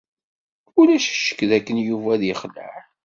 Ulac ccek dakken Yuba ad yexleɛ.